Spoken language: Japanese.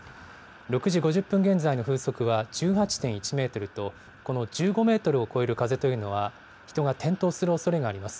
６時５０分現在の風速は１８．１メートルと、この１５メートルを超える風というのは、人が転倒するおそれがあります。